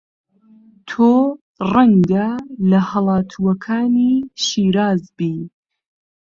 تۆ ڕەنگە لە هەڵاتووەکانی شیراز بی